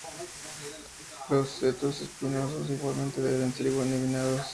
Los setos espinosos igualmente deben ser eliminados.